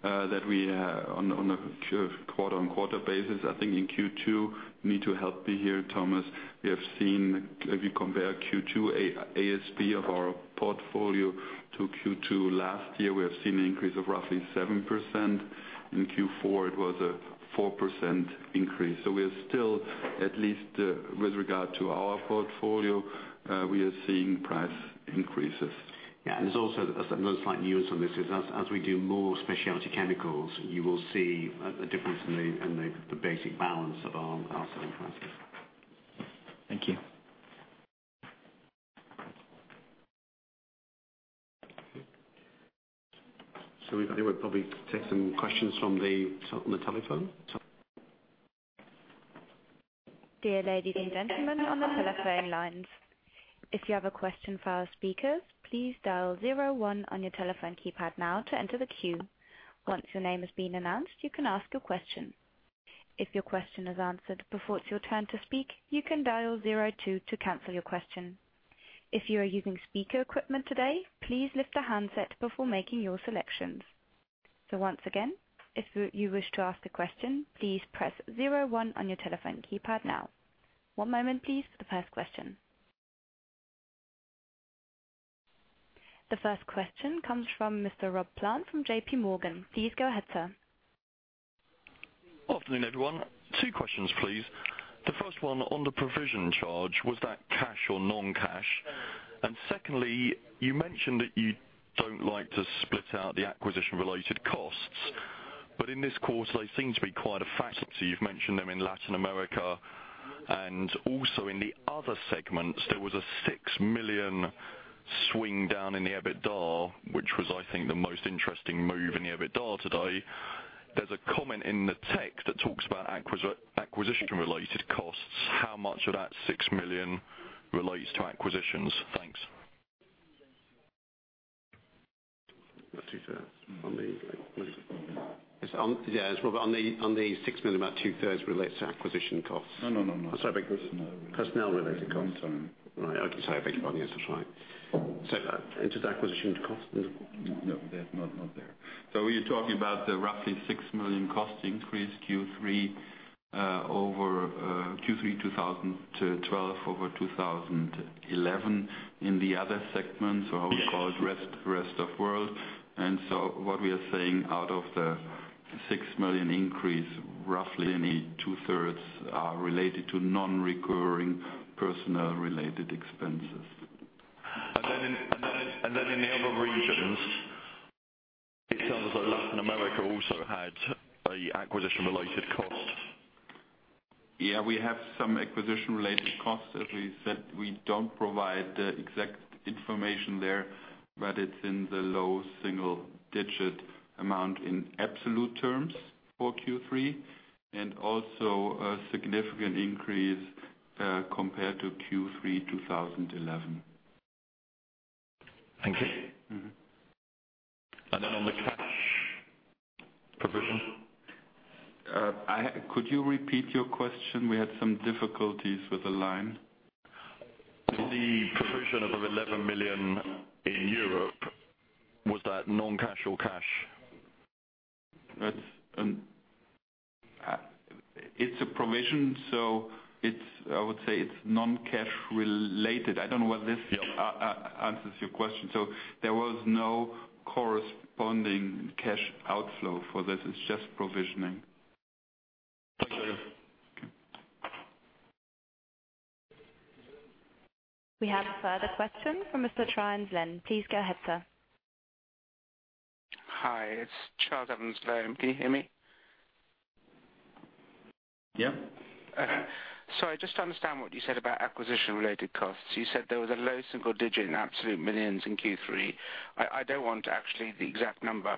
C: That we, on a quarter-on-quarter basis, I think in Q2, you need to help me here, Thomas. If you compare Q2 ASP of our portfolio to Q2 last year, we have seen an increase of roughly 7%. In Q4, it was a 4% increase. We are still, at least with regard to our portfolio, we are seeing price increases.
B: There's also a slight nuance on this is as we do more specialty chemicals, you will see a difference in the basic balance of our selling prices.
K: Thank you.
B: We will probably take some questions from the telephone.
A: Dear ladies and gentlemen on the telephone lines, if you have a question for our speakers, please dial zero one on your telephone keypad now to enter the queue. Once your name has been announced, you can ask your question. If your question is answered before it's your turn to speak, you can dial zero two to cancel your question. If you are using speaker equipment today, please lift the handset before making your selections. Once again, if you wish to ask a question, please press zero one on your telephone keypad now. One moment please for the first question. The first question comes from Mr. Rob Plant from J.P. Morgan. Please go ahead, sir.
L: Afternoon, everyone. Two questions, please. The first one on the provision charge, was that cash or non-cash? Secondly, you mentioned that you don't like to split out the acquisition-related costs. In this quarter, they seem to be quite a factor. You've mentioned them in Latin America, and also in the other segments, there was a 6 million swing down in the EBITDA, which was, I think, the most interesting move in the EBITDA today. There's a comment in the text that talks about acquisition-related costs. How much of that 6 million relates to acquisitions? Thanks.
B: On the 6 million, about two-thirds relates to acquisition costs.
C: No, personnel.
B: Personnel-related costs.
C: One time.
B: Right. Okay. Sorry, thank you. Yes, that's right. It's just acquisition cost?
C: No, not there. You're talking about the roughly 6 million cost increase Q3 2012 over 2011 in the other segment.
L: Yes.
C: How we call it rest of world. What we are saying out of the 6 million increase, roughly two-thirds are related to non-recurring personnel-related expenses.
L: In the other regions, it sounds like Latin America also had an acquisition-related cost.
C: We have some acquisition-related costs. As we said, we don't provide the exact information there, but it's in the low single-digit amount in absolute terms for Q3, and also a significant increase compared to Q3 2011.
L: Thank you. On the cash.
C: Provision. Could you repeat your question? We had some difficulties with the line.
L: The provision of 11 million in Europe, was that non-cash or cash?
C: It's a provision. I would say it's non-cash related. I don't know whether this answers your question.
L: Yeah.
C: There was no corresponding cash outflow for this. It's just provisioning.
L: Thank you.
C: Okay.
A: We have a further question from Mr. Charles Evans. Please go ahead, sir.
M: Hi, it's Charles Evans. Can you hear me?
B: Yeah.
M: Sorry, just to understand what you said about acquisition-related costs. You said there was a low single digit million in Q3. I don't want actually the exact number.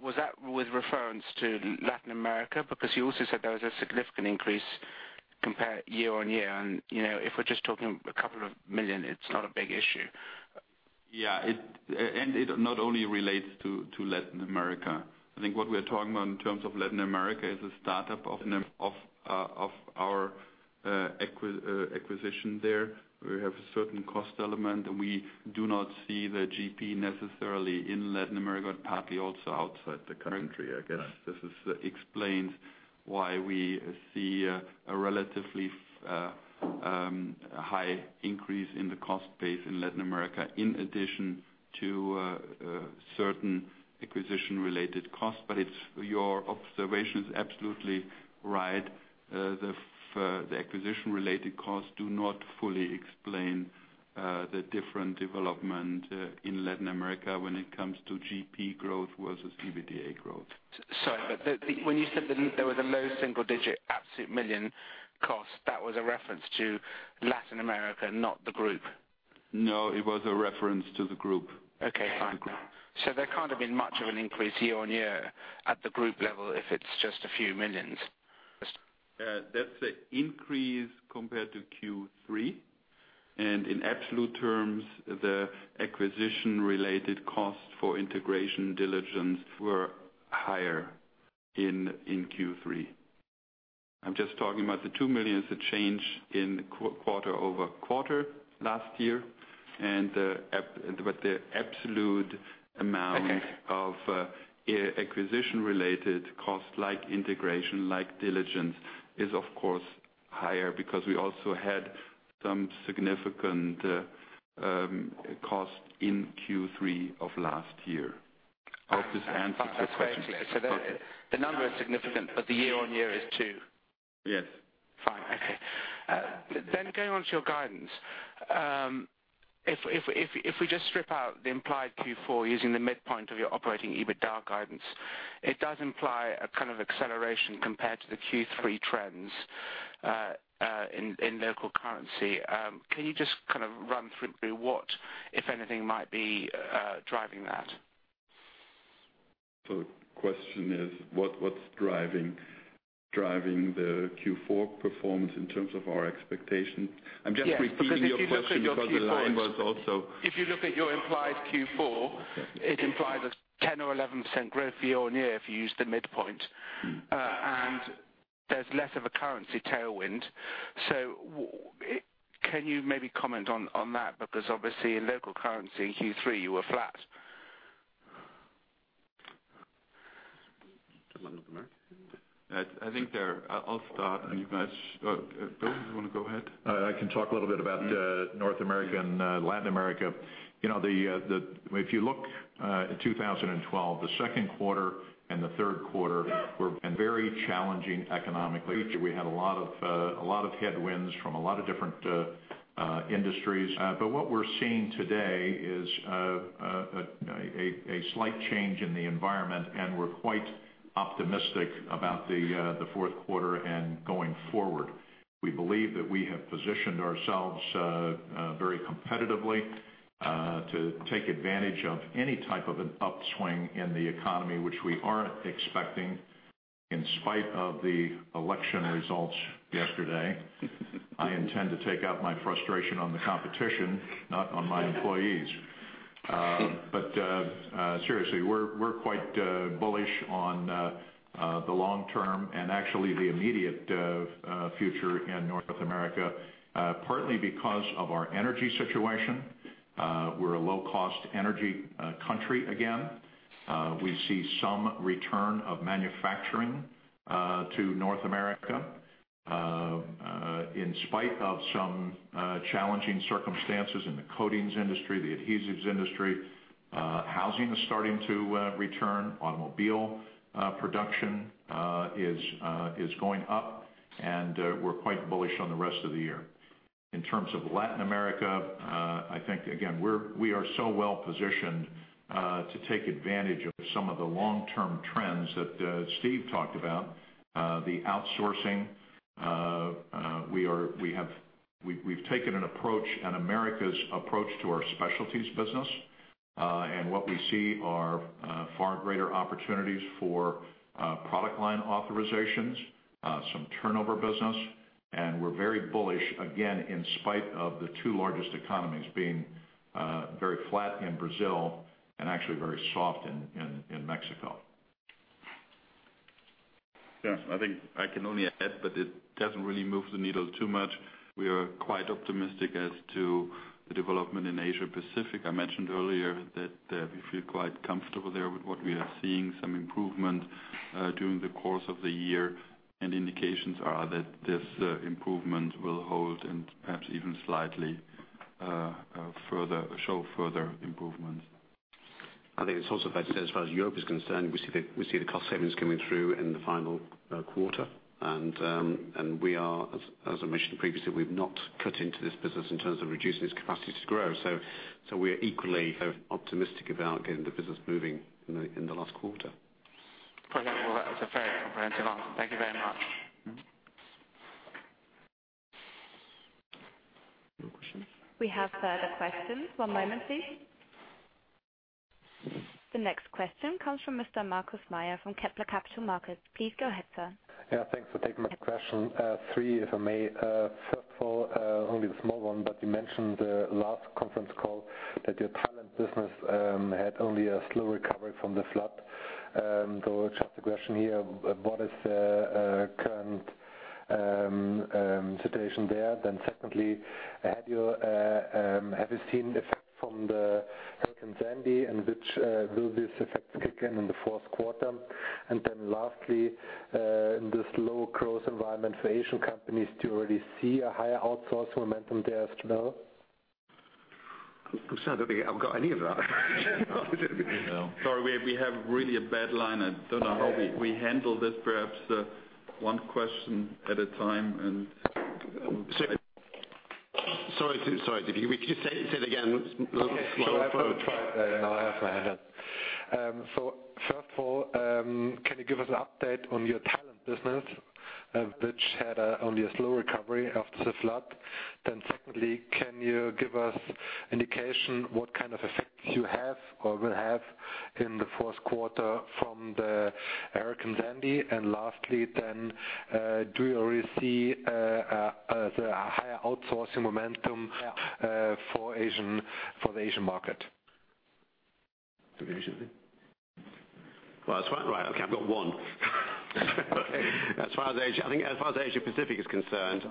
M: Was that with reference to Latin America? Because you also said there was a significant increase compare year-over-year. If we're just talking a couple of million, it's not a big issue.
C: Yeah. It not only relates to Latin America. I think what we are talking about in terms of Latin America is a startup of our acquisition there. We have a certain cost element, and we do not see the GP necessarily in Latin America, and partly also outside the country, I guess. This explains why we see a relatively high increase in the cost base in Latin America, in addition to certain acquisition-related costs. Your observation is absolutely right. The acquisition-related costs do not fully explain the different development in Latin America when it comes to GP growth versus EBITDA growth.
M: Sorry. When you said that there was a low single-digit absolute million cost, that was a reference to Latin America, not the Group?
C: No, it was a reference to the Group.
M: Okay, fine.
C: The group.
M: There can't have been much of an increase year-over-year at the group level if it's just a few million.
C: That's the increase compared to Q3. In absolute terms, the acquisition-related cost for integration diligence were higher in Q3. I'm just talking about the two million, the change in quarter-over-quarter last year, the absolute amount-
M: Okay
C: of acquisition-related cost, like integration, like diligence, is of course higher because we also had some significant cost in Q3 of last year. I hope this answers your question.
M: That's very clear. The number is significant, but the year-on-year is two.
C: Yes.
M: Okay. Going on to your guidance. If we just strip out the implied Q4 using the midpoint of your operating EBITDA guidance, it does imply a kind of acceleration compared to the Q3 trends in local currency. Can you just run through what, if anything, might be driving that?
C: The question is, what's driving the Q4 performance in terms of our expectation?
M: If you look at your implied Q4, it implies a 10% or 11% growth year-on-year if you use the midpoint. There's less of a currency tailwind. Can you maybe comment on that? Because obviously in local currency, Q3, you were flat.
E: To Latin America?
C: I think I'll start, unless Bill, you want to go ahead?
E: I can talk a little bit about North America and Latin America. If you look at 2012, the second quarter and the third quarter were very challenging economically. We had a lot of headwinds from a lot of different industries. What we're seeing today is a slight change in the environment, and we're quite optimistic about the fourth quarter and going forward. We believe that we have positioned ourselves very competitively, to take advantage of any type of an upswing in the economy, which we are expecting. In spite of the election results yesterday, I intend to take out my frustration on the competition, not on my employees. Seriously, we're quite bullish on the long term and actually the immediate future in North America, partly because of our energy situation. We're a low-cost energy country again. We see some return of manufacturing to North America. In spite of some challenging circumstances in the coatings industry, the adhesives industry, housing is starting to return. Automobile production is going up, we're quite bullish on the rest of the year. In terms of Latin America, I think, again, we are so well positioned to take advantage of some of the long-term trends that Steve talked about, the outsourcing. We've taken an approach, an Americas approach to our specialties business. What we see are far greater opportunities for product line authorizations, some turnover business, and we're very bullish, again, in spite of the two largest economies being very flat in Brazil and actually very soft in Mexico.
C: Yeah, I think I can only add that it doesn't really move the needle too much. We are quite optimistic as to the development in Asia Pacific. I mentioned earlier that we feel quite comfortable there with what we are seeing, some improvement during the course of the year, and indications are that this improvement will hold and perhaps even slightly show further improvement.
B: I think it's also fair to say, as far as Europe is concerned, we see the cost savings coming through in the final quarter. We are, as I mentioned previously, we've not cut into this business in terms of reducing its capacity to grow. We are equally optimistic about getting the business moving in the last quarter.
M: Okay. Well, that was a very comprehensive answer. Thank you very much.
A: We have further questions. One moment, please. The next question comes from Mr. Marcus Meyer from Kepler Capital Markets. Please go ahead, sir.
N: Thanks for taking my question. Three, if I may. First of all, only the small one, you mentioned the last conference call that your Thai business had only a slow recovery from the flood. Just a question here, what is the current situation there? Secondly, have you seen effects from Hurricane Sandy, and which will these effects kick in the fourth quarter? Lastly, in this low growth environment for Asian companies, do you already see a higher outsourcing momentum there as well?
B: I'm sorry. I don't think I've got any of that.
C: Sorry. We have really a bad line. I don't know how we handle this. Perhaps one question at a time.
B: Sorry. Could you say it again? A little slower.
N: Sure. I will try. First of all, can you give us an update on your Thai business, which had only a slow recovery after the flood? Secondly, can you give us indication what kind of effects you have or will have in the fourth quarter from the Hurricane Sandy? Lastly, do you already see the higher outsourcing momentum-
B: Yeah
N: for the Asian market?
B: For the Asian market. Well, that's quite right. Okay, I've got one. As far as Asia Pacific is concerned,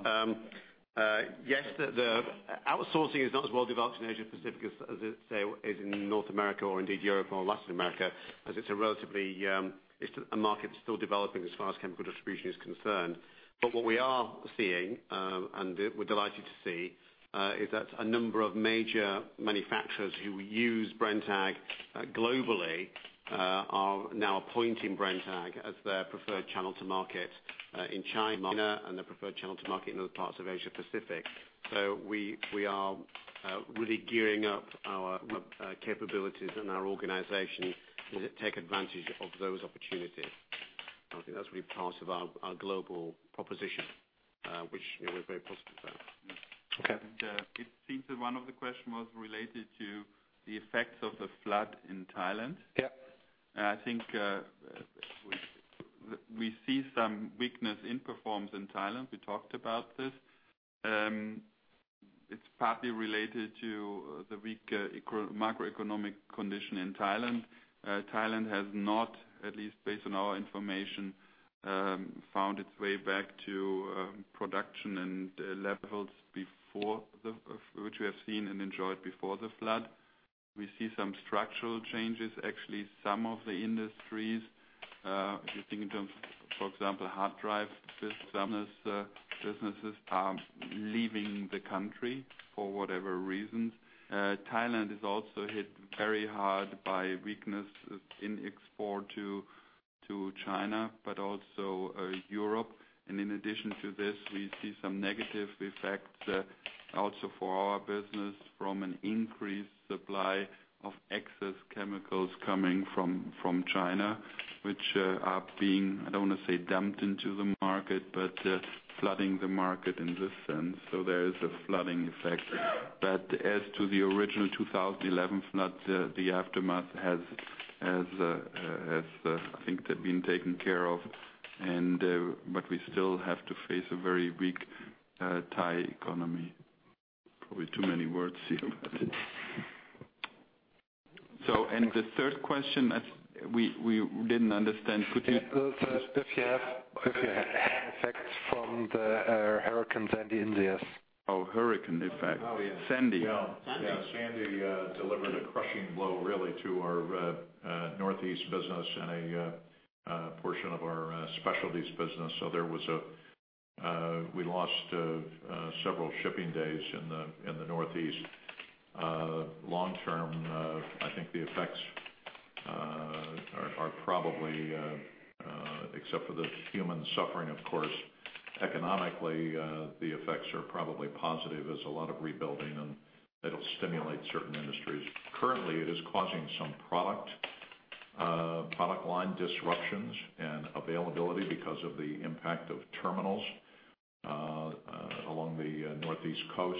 B: yes, the outsourcing is not as well-developed in Asia Pacific as, say, in North America or indeed Europe or Latin America, as it's a market still developing as far as chemical distribution is concerned. What we are seeing, and we're delighted to see, is that a number of major manufacturers who use Brenntag globally are now appointing Brenntag as their preferred channel to market in China and their preferred channel to market in other parts of Asia Pacific. We are really gearing up our capabilities and our organization to take advantage of those opportunities. I think that's really part of our global proposition, which we're very positive about.
N: Okay.
C: It seems that one of the question was related to the effects of the flood in Thailand.
B: Yeah.
C: I think we see some weakness in performance in Thailand. We talked about this. It's partly related to the weak macroeconomic condition in Thailand. Thailand has not, at least based on our information, found its way back to production and levels which we have seen and enjoyed before the flood. We see some structural changes. Actually, some of the industries, if you think in terms, for example, hard drive businesses, are leaving the country for whatever reasons. Thailand is also hit very hard by weakness in export to China, but also Europe. In addition to this, we see some negative effects also for our business from an increased supply of excess chemicals coming from China, which are being, I don't want to say dumped into the market, but flooding the market in this sense. There is a flooding effect. As to the original 2011 flood, the aftermath, I think they've been taken care of. We still have to face a very weak Thai economy. Probably too many words here. The third question, we didn't understand. Could you-
N: If you have effects from the Hurricane Sandy in the U.S.
C: Hurricane effect.
B: Oh, yeah.
C: Sandy.
B: Sandy.
E: Sandy delivered a crushing blow really to our Northeast business and a portion of our specialties business. We lost several shipping days in the Northeast. Long-term, I think the effects are probably, except for the human suffering, of course, economically, the effects are probably positive as a lot of rebuilding, and it'll stimulate certain industries. Currently, it is causing some product line disruptions and availability because of the impact of terminals along the northeast coast.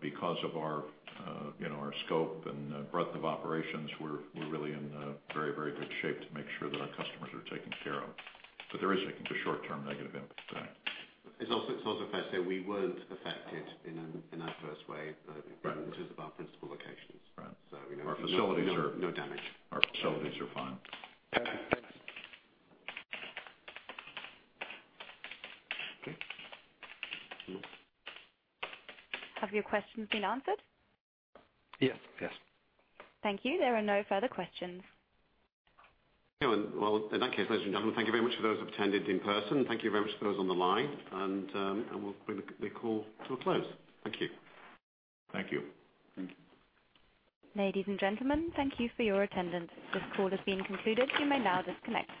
E: Because of our scope and breadth of operations, we're really in very, very good shape to make sure that our customers are taken care of. There is a short-term negative impact today.
B: It's also fair to say we weren't affected in an adverse way.
E: Right
B: In terms of our principal locations.
E: Right.
B: No damage.
E: Our facilities are fine.
B: Perfect. Thanks.
C: Okay.
A: Have your questions been answered?
N: Yes.
B: Yes.
A: Thank you. There are no further questions.
B: Well, in that case, ladies and gentlemen, thank you very much for those who've attended in person. Thank you very much for those on the line, and we'll bring the call to a close. Thank you.
E: Thank you.
C: Thank you.
A: Ladies and gentlemen, thank you for your attendance. This call has been concluded. You may now disconnect.